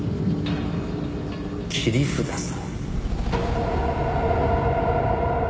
切り札さ。